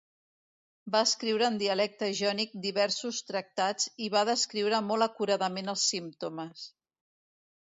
Va escriure en dialecte jònic diversos tractats i va descriure molt acuradament els símptomes.